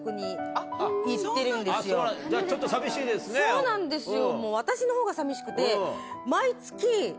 そうなんですよ。